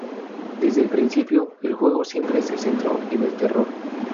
Desde el principio, el juego siempre se centró en el terror.